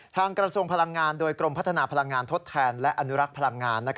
กระทรวงพลังงานโดยกรมพัฒนาพลังงานทดแทนและอนุรักษ์พลังงาน